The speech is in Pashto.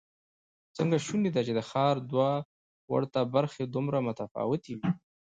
څنګه شونې ده چې د ښار دوه ورته برخې دومره متفاوتې وي؟